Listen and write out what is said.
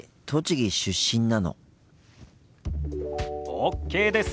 ＯＫです！